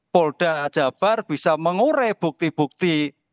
polda jabar bisa mengurai bukti bukti